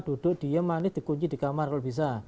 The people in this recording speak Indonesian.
duduk diem manis dikunci di kamar kalau bisa